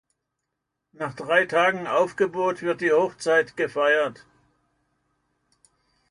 Nach drei Tagen Aufgebot wird die Hochzeit gefeiert.